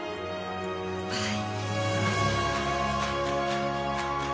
はい。